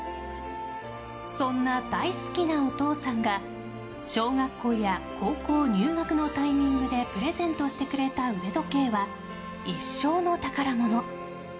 そんな大好きなお父さんが小学校や高校入学のタイミングでプレゼントしてくれた腕時計は一生の宝物。